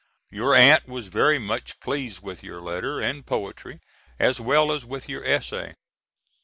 Your aunt was very much pleased with your letter and poetry as well as with your essay.